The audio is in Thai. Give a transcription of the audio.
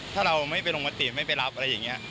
ถ้าเราไม่ไปลงมติไม่ไปรับอะไรอย่างนี้